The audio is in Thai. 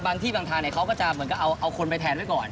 บางที่บางทางเขาก็จะเอาคนไปแทนไว้ก่อน